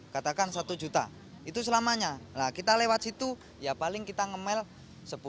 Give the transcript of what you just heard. ketika kita selamanya kita lewat situ ya paling kita nge mail sepuluh dua puluh itu